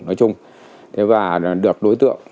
nói chung thế và được đối tượng